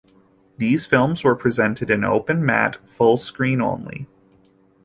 These films were presented in open-matte full screen only.